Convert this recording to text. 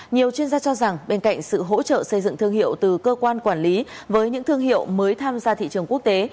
nhiều chuyên gia cho rằng bên cạnh sự hỗ trợ xây dựng thương hiệu từ cơ quan quản lý với những thương hiệu mới tham gia thị trường quốc tế